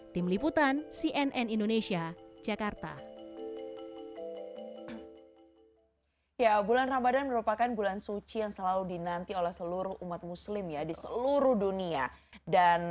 tim liputan cnn indonesia jakarta